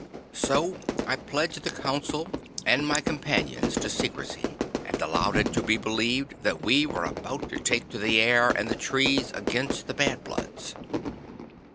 So I pledged the Council and my companions to secrecy, and allowed it to be believed that we were about to take to the air and the trees against the Bad Bloods.